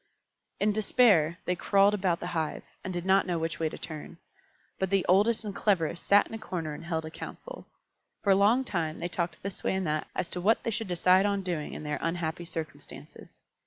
In despair they crawled about the hive, and did not know which way to turn. But the oldest and cleverest sat in a corner and held a council. For a long time they talked this way and that as to what they should decide on doing in their unhappy circumstances.